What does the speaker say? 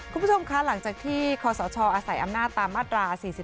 คุณผู้ชมคะหลังจากที่คศอาศัยอำนาจตามมาตรา๔๔